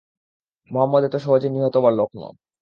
মুহাম্মাদ এত সহজে নিহত হবার লোক নন।